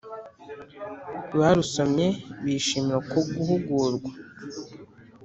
Barusomye bishimira uko guhugurwa